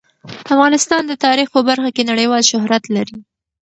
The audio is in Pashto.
افغانستان د تاریخ په برخه کې نړیوال شهرت لري.